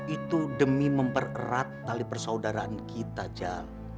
itu demi mempererat tali persaudaraan kita jal